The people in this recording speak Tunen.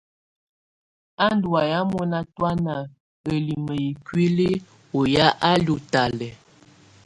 Á ndù waya mɔna tɔana ǝlimǝ ikuili ɔ ya á lù talɛ.